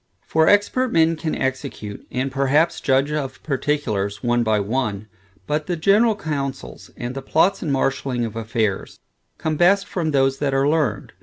For expert men can execute, and perhaps judge of particulars, one by one; but the general counsels, and the plots and marshalling of affairs, come best, from those that are learned.